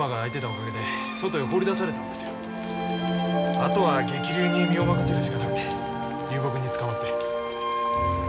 あとは激流に身を任せるしかなくて流木につかまって。